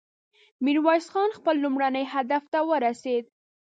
ميرويس خان خپل لومړني هدف ته ورسېد.